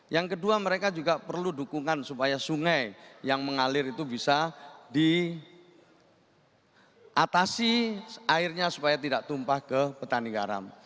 yang kedua mereka juga perlu dukungan supaya sungai yang mengalir itu bisa diatasi airnya supaya tidak tumpah ke petani garam